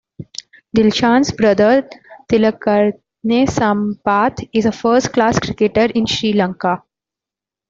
Dilshan's brother, Tillakaratne Sampath, is a first-class cricketer in Sri Lanka.